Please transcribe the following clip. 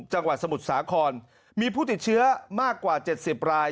จังหวัดสมุทรสาครมีผู้ติดเชื้อมากกว่า๗๐ราย